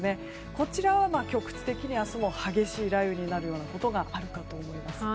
こちらは局地的に明日も激しい雷雨になる可能性があります。